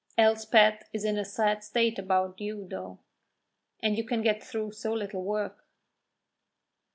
"Elspeth is in a sad state about you, though! And you can get through so little work."